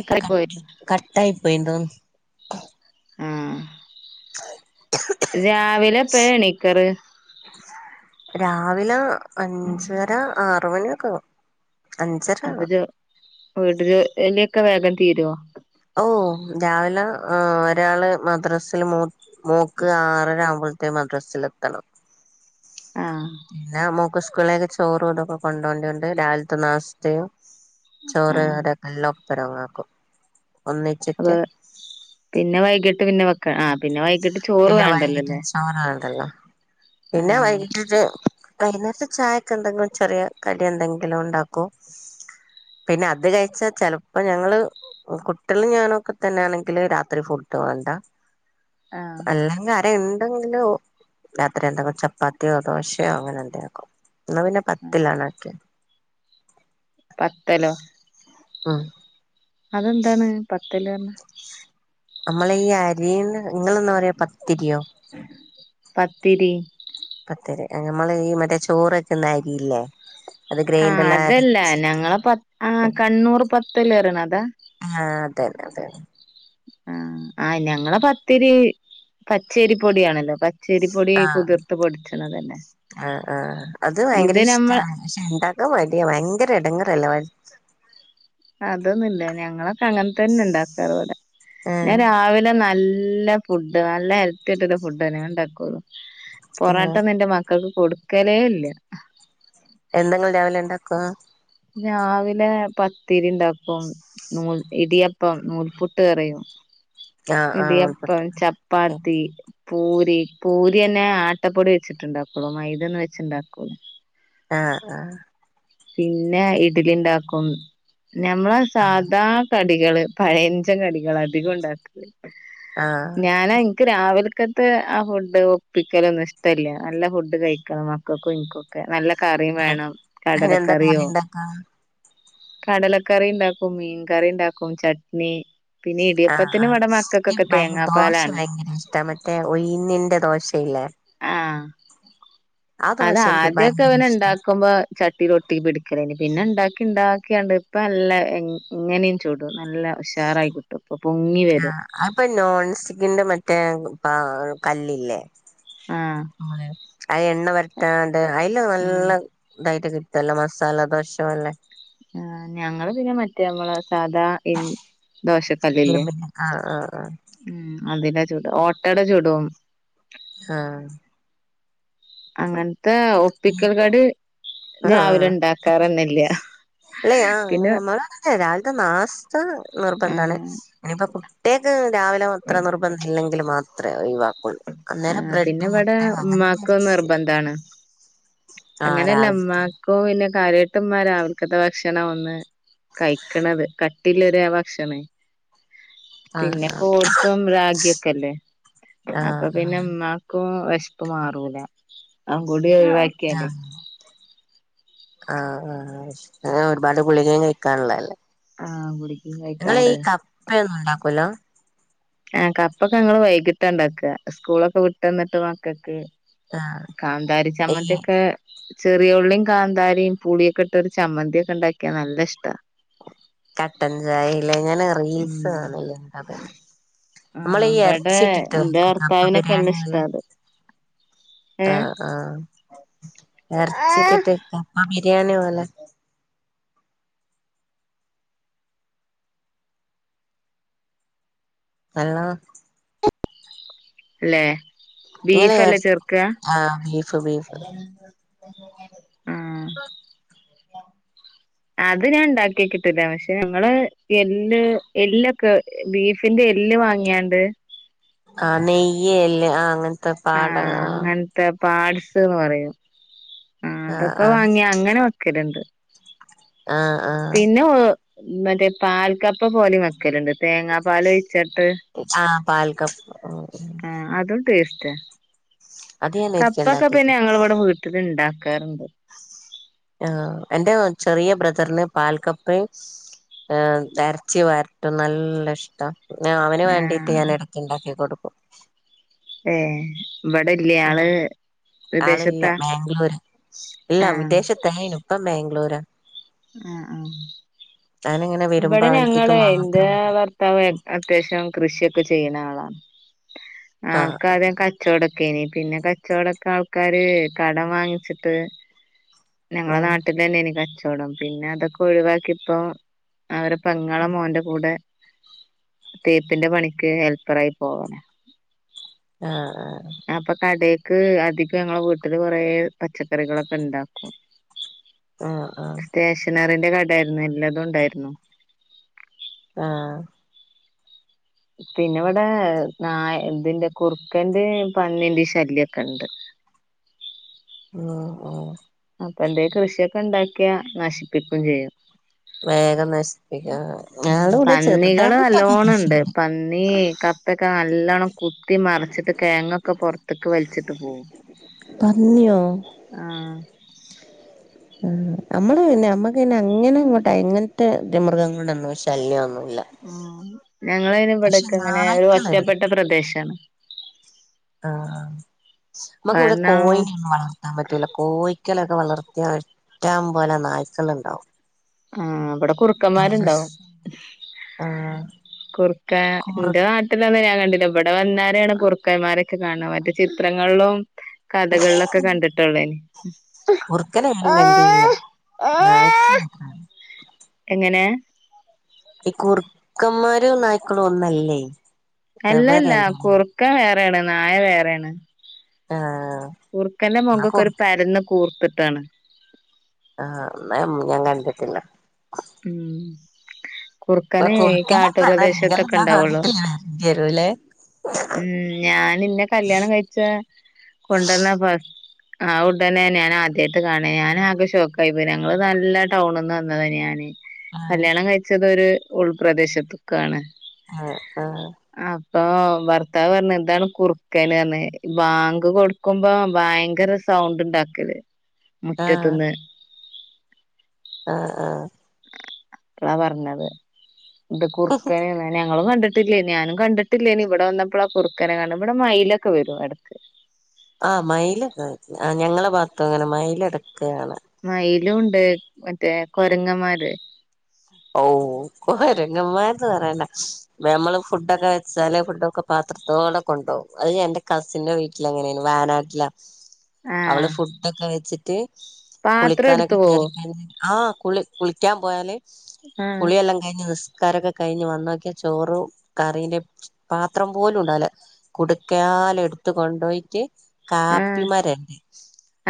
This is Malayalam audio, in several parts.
ഇപ്പ ക പോയി കട്ടായി പോയി ന്തോന്നുന്നു ആ രാവിലെപ്പയാ എണീക്കാറ് രാവിലെ അഞ്ചര ആറു മണിയൊക്കെയാവും അഞ്ചരാവും വീട്ടില് ജോലിയൊക്കെ വേഗം തീരോ ഓ രാവിലെ ഒരാള് മദ്രസിൽ മൂ മോക്ക് ആറര ആവുമ്പത്തിന് മദ്രസിൽ എത്തണം ആഹ് പിന്നെ മോക്ക് സ്കൂളിലേക് ചോറും തൊക്കെ കൊണ്ടോണ്ടിയോണ്ട് രാവിൽത്തെ നാസ്ത്തയും ചോറ് ആഹ് കറി ഒക്കെ എല്ലാ ഒപ്പരങ്ങാക്കും അപ്പൊ ഒന്നിച്ചിട്ട് പിന്നെ വൈകിട്ട് പിന്നെ വെക്ക ആ പിന്നെ വൈ ഇട്ടിട്ട് ചോറ് പിന്നെ വേണ്ടല്ലോ വൈകിട്ട് ലേ ചോറാണ്ടല്ലോ പിന്നെ വൈകിട്ടിട്ട്‌ വൈന്നേരത്ത് ചായക്ക് എന്തെങ്കിലും ചെറിയ കടി എന്തെങ്കിലും ഉണ്ടാക്കും പിന്നെ അത് കഴിച്ച ചെലപ്പോ ഞങ്ങള് കുട്ടികള് ഞാനൊക്കെ തന്നെയാണെങ്കിൽ രാത്രി ഫുട് വാണ്ട ആഹ് എല്ലാം കാര്യ ഇൻ എന്ങ്കിലോ രാത്രിയെന്താ ചപ്പാത്തിയോ ദോശയോ അങ്ങനെ എന്തെങ്കിലൊക്കാവും ഇന്നാ പിന്നെ ആഹ് പത്തലാണാ ക്യെ പത്തലോ ഉം അതെന്താണ് പത്തല് പറഞ്ഞ നമ്മള് ഈ അരീന്ന് ങ്ങളന്നാ പറയാ പത്തിരിയോ പത്തിരി പത്തല് നമ്മള് ഈ മറ്റേ ചോറ് വെക്കുന്ന അരി ഇല്ലേ ആ അതല്ല ഞങ്ങള പ ആ കണ്ണൂർ പത്തല് പറീണ ആ അതെന്നെ അതെന്നെ ആ ആ ഞങ്ങളെ പത്തിരി പച്ചരിപ്പൊടിയാണല്ലോ പ ചെരിപ്പൊടി കുതിർത്ത് പൊടിച്ചണതന്നെ ആ ആ അത് വയങ്കര ഇഷ്ടാണ് പക്ഷെ ഇണ്ടാക്കാൻ മടിയ വയ ഭയങ്കര എടങ്ങറല്ലേ [unintelligible] അതൊന്നുംല്ല ഞങ്ങളൊക്കെ അങ്ങനെ തന്നെ ഇണ്ടാക്കാറ് ഇവിടെ ആഹ് ഞാൻ രാവിലെ നല് നല്ല ഫുഡ് നല്ല ഹെൽത്തി ആയിട്ടുള്ള ഫുഡേ ഞാൻ ഉണ്ടാക്കുള്ളു ആഹ് പൊറാട്ടൊന്നും ഇൻ്റെ മ മക്കൾക്ക് കൊടുക്കലേ ഇല്ല. എന്താങ്ങള് രാവിലെ ഉണ്ടാക്ക രാവിലെ പത്തിരി ഇണ്ടാക്കും നൂൽ ഇടിയപ്പം നൂൽപുട്ട് അറിയും ആഹ് ഇടിയപ്പം ആഹ് ചപ്പാത്തി പൂരി പൂരിയന്നെ ആട്ടപ്പൊടി വെച്ചിട് ഇണ്ടാക്കൊള്ളൂ മൈദ ഒന്നും വെച്ച് ഇണ്ടാക്കുല ആ ആ പിന്നെ ഇഡ്ലി ഉണ്ടാക്കും ഞമ്മളെ ആഹ് സാധാ ക ആഹ് അ ഞ പക്കത്ത് ആ ഫുഡ് ഒപ്പിക്കലൊന്നും ഇഷ്ടമല്ല നല്ല ഫുഡ് കഴിക്കണം മക്കൾക്കും ഇനൊക്കെ നല്ല കറിയും വേണം കടലൊെ വറി ഇണ്ടാക്കാ കടലക്കറി ഉണ്ടാക്കും മീൻകറി ഉണ്ടാക്കും ചട്നി പിന്നെ ഇ ആഹ് ആ ദോശ ഭയങ്കര ഇഷ്ട മറ്റേ ഒയുന്നിന്റെ ദോശയില്ലേ ആഹ ആ ദോശ എനിക്ക് അതാദ്യൊക്കെ ഭയങ്കര ഇഷ്ട ഓന്ണ്ടാക്കുമ്പോ ചട്ടീലൊട്ടി പിടിക്കലന് പിന്നെ ഇണ്ടാക്കിണ്ടാ ഒക്കെയാണ്ട് ഇപ്പം നല്ല എങ്ങനെയും ചൂടും നല്ല ഉഷാറായി കിട്ടും ഇപ്പൊ പൊങ്ങി ആ വരും അപ്പൊ നോൺ സ്റ്റിക്കിന്റെ മറ്റേ പ കല്ലില്ലേ ആഹ് അത് എണ്ണ വരത്താണ്ട് അതില ഉം നല്ല ഇതായിട്ട് കിട്ട തല്ല മസാല ദോശംല്ലേ ആ ഞങ്ങള് പിന്നെ മറ്റേ നമ്മള സാധാ ഇ ദോശക്കല്ലില്ലേ ഇരുമ്പിന്റെ ആഹ് ആഹ് ഉ അതില ചുട ഓട്ടട ചുടും ആഹ അങ്ങനെ ഒപ്പിക്കൽ കടി ആഹ് ആഹ് രാവിലെ ഉണ്ടാക്കാറന്നില്ല അല്ലെ അങ്ങെ നമ്മള രാവിലത്തെ നാസ്ത നിർബന്ധമാണ് ആഹ് ഇനിയിപ്പ കുട്ടിയൊക്കെ രാവിലെ അത്ര നിർബന്ധം ഇല്ലെങ്കിൽ മാത്രമേ ഒവാ ആ പിന്നെ ഇവിടെ ഉമ്മാക്ക് അങ്ങനത്തെ നിർബന്ധാണ് ആ അങ്ങനെയല്ല രാവിലെ അമ്മാക്കും പിന്നെ കാലഘട്ട ഉമാരാ അവർക്കത്തെ ഭക്ഷണം ഒന്ന് കഴിക്കണത് കട്ടില്ലര് ആ ഭക്ഷണേ ആ പിന്നെ കോഴസം രാാഗിയൊക്കെല്ലേ ആ അപ്പൊ ആ പിന്നെ അമ്മാക്ക് വിശപ്പ് മാറൂല അവൻകൂടി ഒഴിവാക്കിയാലേ ആഹ ആ അങ്ങന ഒരുപാട് ഗളിക കഴിക്കാനുള്ളല്ലേ ആഹ് കുടി നിങ്ങള് ഈ കപ്പയൊന്നും ഉണ്ടാക്കല്ലോ ആ കപ്പൊക്കെ ഞങ്ങള് വൈകിട്ട ഇണ്ടാക്ക സ്കൂളൊക്കെ വിട്ടന്നിട്ട് മക്കക്ക് ആ കാന്താരി ഈ ചമ്മന്തിക്കെ ചെറിയ ഉള്ളിയും കാന്താരിയും പുളിയൊക്കെ ഇട്ടൊ ഒരു ചമ്മന്തിയൊക്കെ ഉണ്ടാക്കിയ നല്ല ഇഷ്ടാ കട്ടൻ ചായല്ലെ ങ്ങനെ റീൽസ് ഉം കാണല്ലേത് ആഹ് നമ്മളീ ഇബടെ എറച്ചിട്ടിട്ട് ഇന്റെ വെക്കും കപ്പ ഭർത്താവിനൊക്കെ ബിരിയാണി നല്ല ഇഷ്ടാ അത് ഏഹ് ആഹ ആഹ ഇറച്ചിക്കെട്ട് കപ്പ ബിരിയാണി പോലെ [unintelligible] അല്ലെ ബീഫല്ലേ ചെറ്ക്ക്ക സബീ ആഹ് അത് ഞാൻ ണ്ടാക്കിയോക്കീട്ടില്ല പക്ഷെ ഞങ്ങള് എല് എല്ലൊക്കെ ബീഫിന്റെ എല്ല് വാങ്ങിയാണ്ട് ആഹ നെയ്യല്ലേ ആ അങ്ങനത്തെ പാട ആഹ പാട്്സ് എന്ന് പറയും ആ അതൊക്കെ വാങ്ങിയാ അങ്ങനെ വെക്കലുണ്ട് ആഹ ആഹ മറ്റേ പാൽക്കപ്പ പോലെ മക്കലുണ്ട് തേങ്ങാ പാല ആഹ പാൽക്കപ്പ ഒരിക്കെ കപ്പക്കെ ഉണ്ടാക്കിട്ട് പിന്നെ ഞങ്ങള ഇവിടെ വീട്ട്ന്ന്ണ്ടാക്കാ ക്കാറുണ്ട് ആ എന്റെ ചെറിയ ബ്രദറിന് പാൽക്കപ്പയും ഏ ഇരച്ചി വരട്ടും നല്ല ഇഷ്ട ആ അവന് വേണ്ടീട്ട് ആഹ് ഞൻ എടക്ക് ഇണ്ടാക്കി കൊട്ക്കും ഏ ഇവടെ ഇല്ല ആൾ ആളില്ല ബാംഗ്ലൂര് ഇല്ല ആഹ് വിദേശത്തെയ്നു ഇപ്പം ബാംഗ്ലൂരാ ആ ആ ഞാനിങ്ങനെ വരുമ്പോ ഇവടെ അവനക്ക് ഞങ്ങൾ ഇത് ഇന്റെ മാത്രം മതി ഭർത്താവ് അത്യാവശ്യം കൃഷിയൊ ക്കെ ചെയ്യ്ണ ആളാണ് ആ ആൾക്കാദ്യം കച്ചോടൊക്കെ എയ്നി പിന്നെ കച്ചോടൊക്കെ ആൾക്കാര് കടം വാങ്ങിച്ചിട്ട് ആ ഞങ്ങളെ നാട്ടിലെന്നെയ്നി കച്ചോടം പിന്നെ അതൊക്കെ ഒഴിവാക്കി ഇപ്പോ അവരെ പെങ്ങളെ മോന്റെ കൂടെ തേപ്പിന്റെ പണിക്ക് ഹെൽപ്പറായി പോവലാ ആ ആ അപ്പ കടെക്ക് അധികം ഞങ്ങളെ വീട്ടിൽ കെറേ പച്ചക്കറികളൊക്കെ ഇണ്ടാക്കും ആ സ്റ്റേഷനറിന്റെ കടായായിരുന്നു എല്ലതും ഇണ്ടായിരുന്നു ആ പിന്നെ ഇവിടെ നാ ഇതിന്റെ കുറുക്കന്റെ പന്നിന്റിം ശല്യം ഒക്കെ ഇണ്ട് ആ ആ അപ്പ എന്തെ കൃഷിയൊക്കെ ഇണ്ടാക്കിയാ നശിപ്പിക്കും ചെയ്യും വേഗം നശ് ഉം പന്നികൾ നല്ലോണം ഇണ്ട് കൃഷിയുണ്ട് പന്നി കപ്പ ഒക്കെ നല്ലോണം കുത്തി മറച്ചിട്ട് കേങ്ങൊക്കെ പൊർത്ത്ക്ക് വൽച്ചിട്ട് പോവും പന്നിയോ ആഹ് ആ അമ്മൾ പിന്നെ അമ്മക്ക് അയിൻ അങ്ങനെ ഇങ്ങോട്ട് അങ്ങൻത്തെതി മൃഗങ്ങളെ ഒന്നും ശല്യ ഒന്നും ഉം ഞങ്ങൾ അയിൻ ഇവട്ക്ക് ഇങ്ങനെ ഒരു നായ്ക്കളുണ്ട് ഒറ്റപ്പെട്ട പ്രദേശാണ് ആ നമ്മക്ക് ഇവടെ കാരണം കോഴിനൊന്നും വളർത്താൻ പറ്റൂലാ കോഴി ക്കെലൊക്കെ വളർത്തിയാ ഇഷ്ടം പോലെ നായ്ക്കൾ ഇണ്ടാവും ആ ഇവടെ കുറുക്കന്മാരുണ്ടാവും ആഹ് കുർക്കാ കുറു ഇന്റെ നാട്ടിലൊന്നും ഞാൻ ക ഇവടെ വന്നാരെയാണ് കുറുക്കന്മാരൊക്കെ കാണണെ മറ്റേ ചിത്രങ്ങൾളും കഥകൾ ഒക്കെ കണ്ടിട്ട് ഒള്ളെയിനി കുറുക്കനെ ഞാനും കണ്ടീല്ല [unintelligible] എങ്ങനെ ഈ കുറക്കന്മാരും നായ്ക്കളും ഒന്നല്ലേ അല്ലല്ല വെവ്വേറെയാന്ന് തോന്നുന്നു കുറുക്കൻ വേറെയാണ് നായ വേറെയാണ് ആ കുർക്കന്റെ മൊഖൊക്കെ ഒരു പരന്ന് കൂർത്ത്ട്ടാണ് ആ ന്നാ മം ഞാൻ കണ്ടിട്ടില്ല ഉം ഇപ്പൊ കുറുക്കനെ കുറുക്കനെ കാണാൻ കാട്ടുപ്രദേശത്തൊക്കെ ഇങ്ങളെന്നാ ഇണ്ടാവൊള്ളു വീട്ടില് വരണ്ടി വരൂല്ലേ ഇന്നെ കല്യാണം കഴിച്ച കൊണ്ടുവന്ന ഫസ് ആ ഉടനെ ഞാൻ ആദ്യ ആയിട്ട് കാണാ ഞാൻ ആകെ ഷോക്കായി പോയി ഞങ്ങൾ നല്ല ടൗൺന്ന് വന്നതെയ്നി ഞാന് ആഹ് കല്യാണം കഴിച്ചത് ഒര് ഉൾപ്രദേശത്ത്ക്കാണ് ആ ആ ആ ഭർത്താവ് പർണ് ഇതാണ് കുറുക്കൻ പർണ് ബാങ്ക് കൊട്ക്കുമ്പം ഭയങ്കര സൗണ്ട് ഇണ്ടാ ക്കല് മുറ്റത്ത്ന്ന് ആ ആ ളാ പർണത് ഇങ്ങട്ട് കുർക്കൻന്ന് ഞങ്ങളും കണ്ട് ട്ടില്ലേ ഞാനും കണ്ട്ട്ട് ഇല്ലേനി ഇവടെ വന്നപ്പോളാ കുറുക്കനെ കാൺണെ ഇവടെ മൈലൊക്കെ വെരും എടക്ക് ആ മയിലൊക്കെ ആ ഞങ്ങളെ ഭാഗത്തു അങ്ങനെ മയിൽ എടക്ക് കാണാ മയിലും ഇണ്ട് മറ്റേ കൊരങ്ങന്മാര് ഔ കൊരങ്ങന്മാര്ത് പറയെണ്ട നമ്മൾ ഫുഡൊക്കെ വെച്ചാൽ ഫുഡൊക്കെ പാ ത്രത്തോടെ കൊണ്ടൊവും അയ് എന്റെ കസിന്റെ വീട്ടിൽ അങ്ങനെയ്നു വയനാട്ടിലാ ആഹ് അവള് ഫുഡൊക്കെ വെച്ചിട്ട് പാത്രം കുളിക്കാനൊ എടുത്തു പോവും [inaudible] ആ കുളി കുളിക്കാൻ പോയല് ആഹ് കുളിയെല്ലം കഴിഞ്ഞ് നിസ് ക്കാരൊക്കെ കഴിഞ്ഞ് വന്നോക്കിയ ചോറും കറീന്റെ പാത്രം പോലുണ്ടാവല കുടുക്ക പാലെടുത്ത് കൊണ്ടോയിട്ട് കാപ്പി ആഹ് മരണ്ട്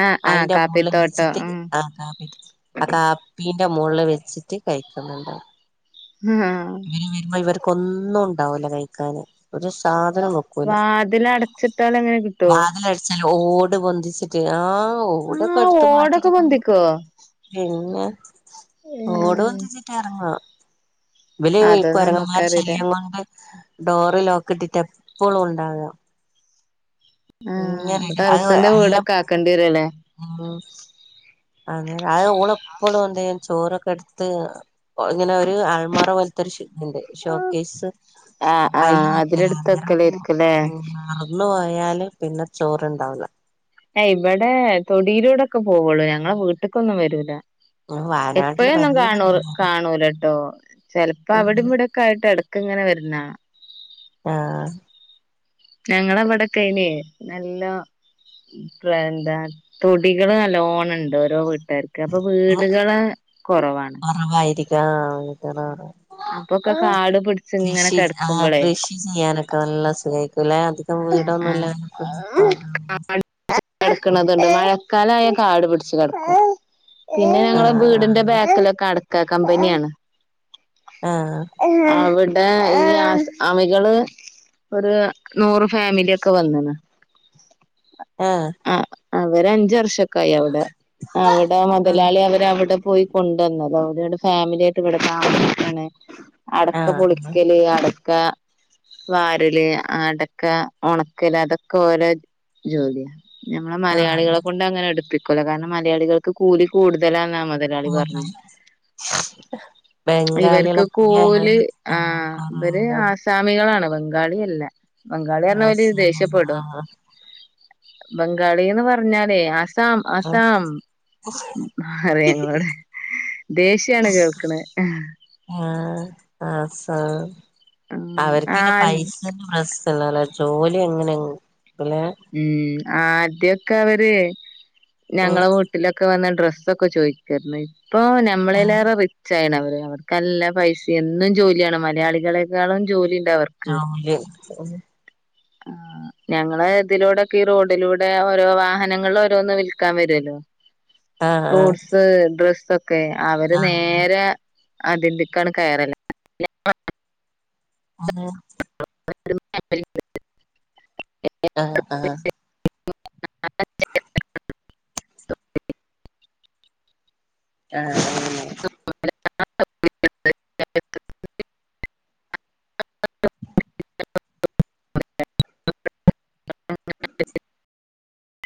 ആഹ് ആഹ് അയിന്റെ മുളിൽ കാപ്പിത്തോട്ടം വെച്ചിട്ട് ആ ആഹ് കാപ്പി ആ കാപ്പി മുകളിൽ വെച്ചിട്ട് കഴിക്കുന്നുണ്ട് ആഹ് ഇവര് വരുമ്പോ ഇവർ ഒന്നുംണ്ടാവുല കഴിക്കാന് ഒരു സാ [unintelligible] നോക്കുല വാതിലടച്ചിട്ടാൽ അങ്ങനെ കിട്ടുവോ വാതിലടിച്ച്ല് ഓട് പൊന്തിച് [unintelligible] ആഹ് ഓടൊക്കെടുത്ത് ഓടൊക്കെ മാറ്റിര്ക്കു പൊന്തിക്കോ പിന്നെ ഓട് ഉം വന്തിച്ചിട്ട് ഇറങ്ങോ വില അത് ഇപ്പറിണമാരി നമ്മക്കറിയില്ല ശരീരം കൊണ്ട് ഡോറിലൊക്ക [unintelligible] പ്പഴുണ്ടാ ആഹ് ഇങ്ങനെ അപ്പൊ ഇത് അത് ടെറസിന്റെ എല്ലം. വീടൊക്കെ ആക്കേണ്ടി വരുല്ലേ മ് അങ്ങനെ അത്‌ ഓളെപ്പളുന്ദേൻ ചോറൊക്കെടുത്ത് പോ ഇങ്ങനെ ഒരു ആൾമറപോൽതൊരു ശയ് ന്റെ ഷോകേസ് ആഹ് അയിൽ ആഹ് വെക്കല അതിലെടുത്തക്കലായിരിക്കുംല്ലേ [inaudible] അന്നുപോയാൽ പിന്നെ ചോർണ്ടാവ് ല ഏയ് ഇബടെ തൊടിയിലൂടൊക്കെ പോവുള്ളൂ ഞങ്ങളെ വീട്ടക്കൊന്നും വരൂല. വയനാട്ടില് എപ്പഴന്നും ഭയങ്കര കാണൂർ എടങ്ങേറാ കാണൂലട്ടോ. ചിലപ്പോ അവിടംവിടൊക്കയിട്ട് ഇട്ക്ക ഇങ്ങനെ വരുന്നാ. ആഹ് ഞങ്ങളവ്ടെക്കെ ന് നല്ല പന്താ തൊടികള് നല്ലോണംണ്ട് ഓരോ വീ പെരക്കപ്പൊ വീടുകള കൊറവാണ്. [unintelligible] അപ്പൊക്കെ കാട് പിടിച്ച് ഇങ്ങനെ കൃഷി ആ കെടക്കുമ്പളേ കൃഷി ചെയ്യാനൊക്കെ നല്ല സുഖയ്ക്കും ലെ. ആഹ് വീടൊന്നുംല്ല [inaudible] ക്ക [inaudible] ക്ക്‌ണത്ണ്ട് മഴക്കാലയാ ഇൻ കാട് പിടിച്ച് കെടക്കും. പിന്നെ ഞങ്ങള ആഹ് വീടിന്റെ ബാക്കിലൊക്കെ അടക്കാ കമ്പനിയാണ്. ആഹ് അവ്ടെ [inaudible] അമികള് ഒരു നൂറ് ഫാമിലൊക്കെ വന്ന്ണ്. ആ. അവരഞ്ചു വർഷക്കായി അവ്ടെ അവ്ടെ ആഹ് മുതലാളി അവരവിടെ പോയി കൊണ്ടന്നതോടെണ് ഫാമിലിയിട്ട് ഇവിടൊ [inaudible] താമസിക്ക്‌ണ്. അടക്ക ആഹ് ആഹ് പൊളിക്കല് അടക്ക വാരല്. അടക്ക ഉണക്കല അതൊക്കൊരെ ജോലിയാ. ഞമ്മളെ മലയാളികളെ ആഹ് കൊണ്ടങ്ങനെ എടുപ്പിക്കുല കാരണം മലയാളികൾക്ക് കൂലി കൂടുതലാന്ന [unintelligible] ഇവര്ക്ക് ബംഗാളികളെ പോലെ കൂലി ആ ആഹ് ഇവര് കൊറോടോ ആസാമികളാണ്. ബംഗാളിയല്ല ബംഗാളി റിഞ്ഞാ അവൽ ആസാമ് ദേഷ്യപ്പെടും. ആഹ് ബംഗാളിന്ന് പറഞ്ഞാലേ ആസ് അസാം അസാം ആറേങ്ങളോട് ദേഷ്യാണ് കേൾക്ക്‌ണ. ആഹ അവർക്കിന്നെ പൈസന്റെ പ്രശ്നല്ലല്ലല്ലോ ജോലി എങ്ങനെ ല്ലെ മ് ആദ്യൊക്കെ അവര് ഉം ഞങ്ങളെ വീട്ടിലൊക്കെ വന്നി് ഡ്രസ്സൊക്കെ ചോയ്ക്കാര്ന്നു ഇപ്പൊ നമ്മളെല്ലാറേ റിച് യിണ് അവര് അവർക്കല്ല പൈസം എന്നും ജോലിയാണ് മലയാളികളെക്കാളും ജോലി ആ [unintelligible] ആ. ഞങ്ങളെ ഇതിലൂടൊക്കെ ഈ റോഡിലൂടെ ഓരോ വാഹനങ്ങളോരോന്ന് വിൽക്കാൻ വരുല്ലോ. ആഹ് ആഹ് ഫ്രൂട്സ് ഡ്രസ്സക്കെ അവര് ആഹ് നേരെ അതെന്തക്കാണ് കയറല [inaudible] അത [inaudible] [inaudible] ആഹ് ആഹ് ആഹ് [inaudible] ആഹ [inaudible]